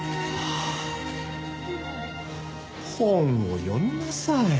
本を読みなさい。